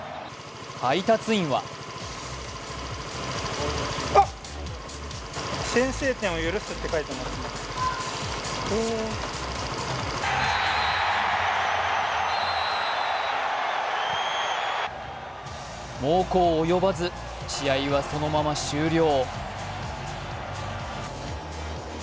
配達員は猛攻及ばず、試合はそのまま終了。